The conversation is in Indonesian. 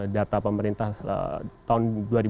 data pemerintah tahun dua ribu sembilan belas